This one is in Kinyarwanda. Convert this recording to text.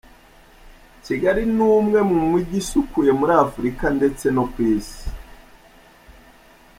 Kigali ni umwe mu mijyi isukuye muri Afurika ndetse no ku isi.